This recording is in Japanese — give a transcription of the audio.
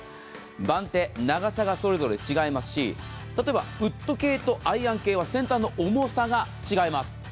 番手、長さがそれぞれ違いますし、例えばウッド系とアイアン系はと先端の重さが違います。